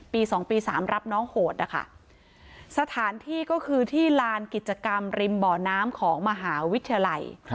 ๒ปี๓รับน้องโหดนะคะสถานที่ก็คือที่ลานกิจกรรมริมบ่อน้ำของมหาวิทยาลัย